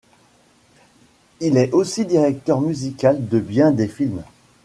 Il est aussi directeur musical de bien des films.